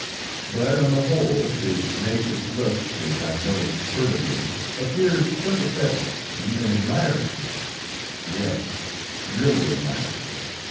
But on the whole, his tenacious looks, which I noticed furtively, appeared sympathetic and even admiring yes; really admiring!